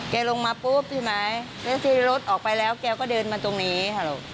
ลงมาปุ๊บใช่ไหมแล้วที่รถออกไปแล้วแกก็เดินมาตรงนี้ค่ะลูก